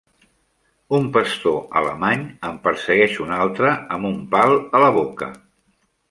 Un pastor alemany en persegueix un altre amb un pal a la boca.